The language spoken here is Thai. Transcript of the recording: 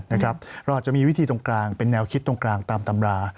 เราอาจจะมีวิธีตรงกลางเป็นแนวคิดตรงกลางตามตำรา